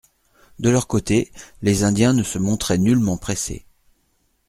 De leur côté, les Indiens ne se montraient nullement pressés.